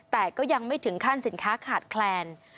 แต่ก็ยังไม่ถึงขั้นสินค้าขาดแคลน